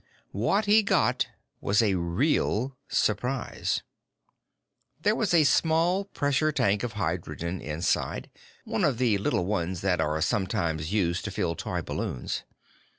What he got was a real surprise. There was a small pressure tank of hydrogen inside one of the little ones that are sometimes used to fill toy balloons.